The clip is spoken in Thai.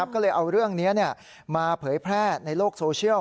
ก็เลยเอาเรื่องนี้มาเผยแพร่ในโลกโซเชียล